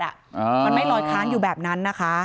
มันไม่ลอยค้างอยู่แบบนั้นนะคะ